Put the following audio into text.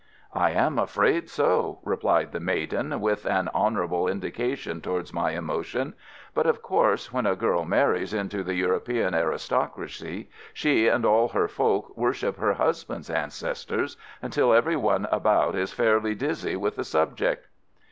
"I am afraid so," replied the maiden, with an honourable indication towards my emotion. "But of course when a girl marries into the European aristocracy, she and all her folk worship her husband's ancestors, until every one about is fairly dizzy with the subject."